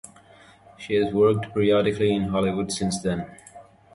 She has worked periodically in Hollywood since then.